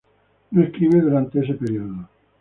No escribe durante ese período.